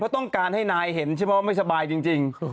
ต้องการให้นายเห็นใช่ไหมว่าไม่สบายจริง